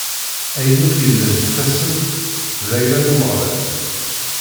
Ayen akk yellan d tassemt d ayla n Umeɣlal.